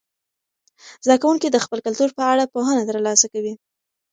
زده کوونکي د خپل کلتور په اړه پوهنه ترلاسه کوي.